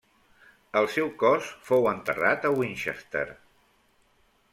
El seu cos fou enterrat a Winchester.